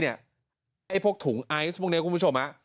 นี่เอกลับพวงเนียวเองพวกถุงไอซ์ทุกคนเลยคุณผู้ชมนะ